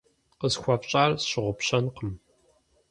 - Къысхуэфщӏар сщыгъупщэнкъым.